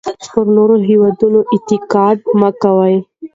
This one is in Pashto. پر نورو هېوادونو اتکا مه کوئ.